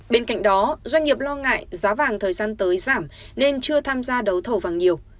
bên cạnh đó doanh nghiệp lo ngại giá vàng thời gian tới giảm nên chưa tham gia đấu thầu vàng nhiều